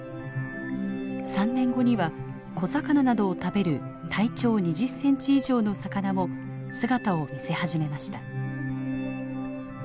３年後には小魚などを食べる体長２０センチ以上の魚も姿を見せ始めました。